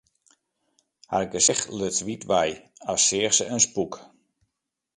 Har gesicht luts wyt wei, as seach se in spûk.